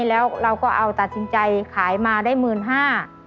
แล้วเราก็เอาตัดสินใจขายมาได้๑๕๐๐๐บาท